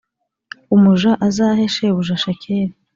umuja azahe shebuja shekeli